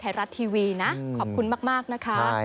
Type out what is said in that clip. ไทยรัฐทีวีนะขอบคุณมากนะคะ